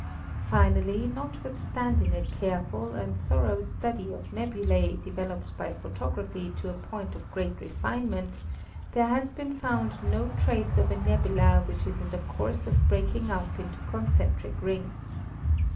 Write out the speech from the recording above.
Finally, notwithstanding a careful and thoro study of nebulae, developed by photogra phy to a point of great refinement, there has been found no trace of a nebula which is in the course of breaking up into concentric rings.